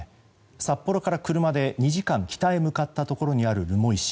札幌から２時間、北へ向かったところにある留萌市。